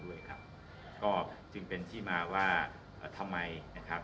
เลยครับก็จึงเป็นที่มาว่าเอ่อทำไมนะครับ